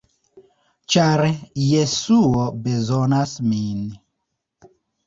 ĉar Jesuo bezonas min.